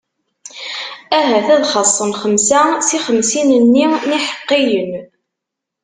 Ahat ad xaṣṣen xemsa si xemsin-nni n iḥeqqiyen.